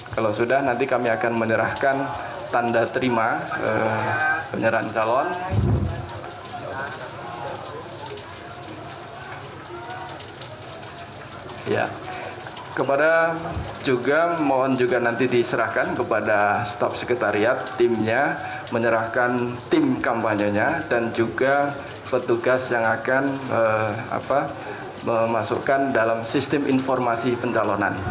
kalau sudah nanti kami akan menyerahkan tanda terima penyerahan calon